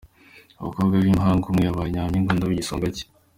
Abakobwa b’impanga umwe yabaye nyampinga undi aba igisonga cye